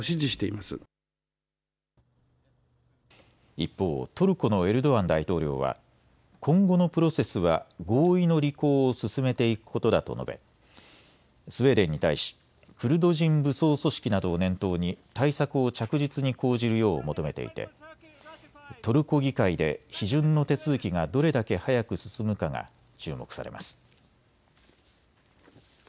一方、トルコのエルドアン大統領は今後のプロセスは合意の履行を進めていくことだと述べスウェーデンに対しクルド人武装組織などを念頭に対策を着実に講じるよう求めていてトルコ議会で批准の手続きがどれだけ早く進むかが注目されます。